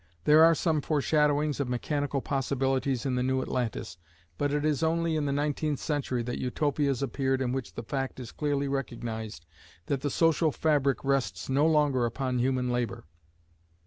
There are some foreshadowings of mechanical possibilities in the New Atlantis, but it is only in the nineteenth century that Utopias appeared in which the fact is clearly recognised that the social fabric rests no longer upon human labour.